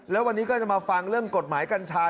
แล้ววันนี้ก็จะมาฟังเรื่องกฎหมายกัญชา